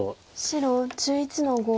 白１１の五。